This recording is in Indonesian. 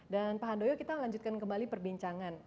dan pak handoyo kita lanjutkan kembali perbincangan